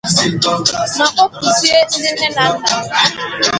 ma kpọkuzie ndị nne na nna